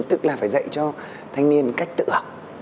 tức là phải dạy cho thanh niên cách tự học